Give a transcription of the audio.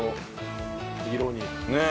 ねえ。